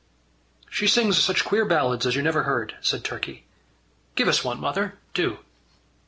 "She sings such queer ballads as you never heard," said Turkey. "Give us one, mother; do."